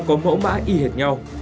có mẫu mã y hệt nhau